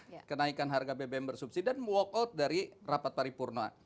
menolak kenaikan harga bbm bersubsid dan walk out dari rapat paripurna